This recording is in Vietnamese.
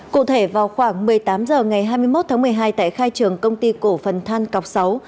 cụ thể vào khoảng một mươi tám h ngày hai mươi một tháng một mươi hai tại khai trường công ty cổ phần than cọc sáu